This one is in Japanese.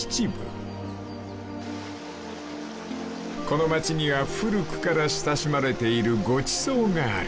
［この町には古くから親しまれているごちそうがある］